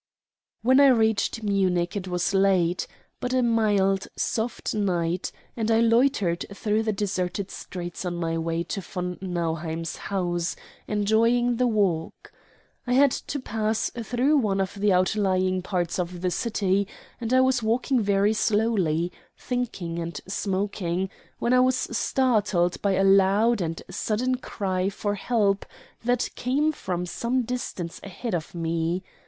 When I reached Munich it was late, but a mild, soft night, and I loitered through the deserted streets on my way to von Nauheim's house, enjoying the walk. I had to pass through one of the outlying parts of the city, and I was walking very slowly, thinking and smoking, when I was startled by a loud and sudden cry for help that came from some distance ahead of me.